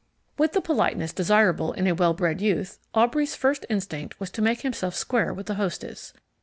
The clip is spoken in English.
With the politeness desirable in a well bred youth, Aubrey's first instinct was to make himself square with the hostess.